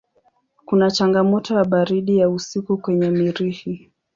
Kuna changamoto ya baridi ya usiku kwenye Mirihi.